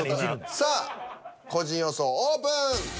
さあ個人予想オープン。